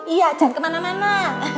iya jangan kemana mana